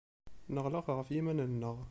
Neɣleq ɣef yiman-nneɣ.